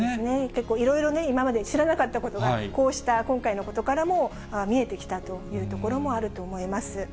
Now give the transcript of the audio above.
結構、いろいろね、今まで知らなかったことが、こうした今回のことからも、見えてきたというところもあると思います。